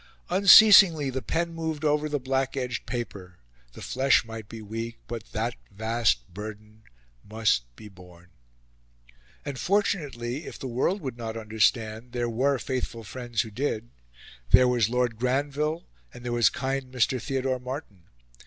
Unceasingly the pen moved over the black edged paper. The flesh might be weak, but that vast burden must be borne. And fortunately, if the world would not understand, there were faithful friends who did. There was Lord Granville, and there was kind Mr. Theodore Martin.